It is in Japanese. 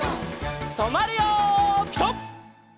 とまるよピタ！